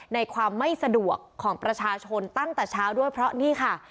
ในความไม่สะดวกของประชาชนตั้งแต่เช้าด้วยเพราะนี่ค่ะ